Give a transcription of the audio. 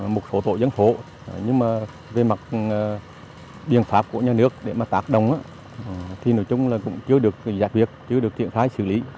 một số tổ dân phổ nhưng mà về mặt biện pháp của nhà nước để mà tạc đồng thì nói chung là cũng chưa được giải quyết chưa được thiện khai xử lý